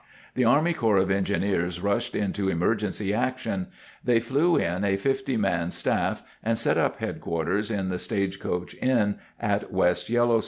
The Army Corps of Engineers rushed into emergency action. They flew in a 50 man staff, and set up headquarters in the Stagecoach Inn at West Yellowstone.